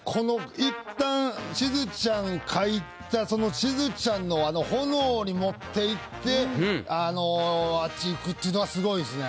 一旦しずちゃん描いたそのしずちゃんのあの炎に持っていってあっち行くっていうのはすごいですね。